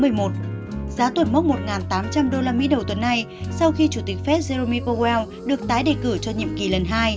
giá tuổi mốc một tám trăm linh usd đầu tuần này sau khi chủ tịch phép jeremy powell được tái đề cử cho nhiệm kỳ lần hai